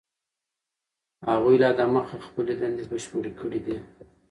هغوی لا دمخه خپلې دندې بشپړې کړي دي.